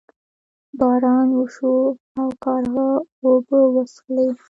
باران وشو او کارغه اوبه وڅښلې.